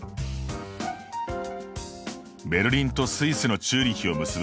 ベルリンとスイスのチューリヒを結ぶ